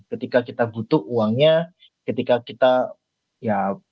ketika kita butuh uangnya ketika kita ya